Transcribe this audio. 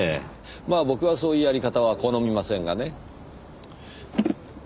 まあ僕はそういうやり方は好みませんがね。